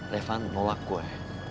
revan nolak gua ya